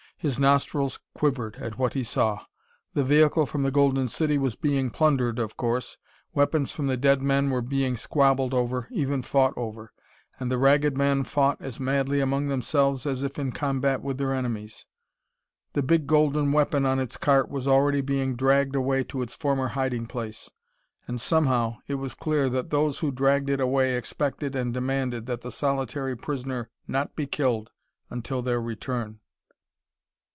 His nostrils quivered at what he saw. The vehicle from the Golden City was being plundered, of course. Weapons from the dead men were being squabbled over, even fought over. And the Ragged Men fought as madly among themselves as if in combat with their enemies. The big golden weapon on its cart was already being dragged away to its former hiding place. And somehow, it was clear that those who dragged it away expected and demanded that the solitary prisoner not be killed until their return.